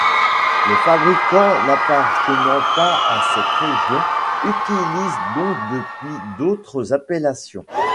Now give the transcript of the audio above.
Les fabricants n'appartenant pas à cette région utilisent donc depuis d'autres appellations.